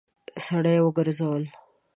سړی وګرځول.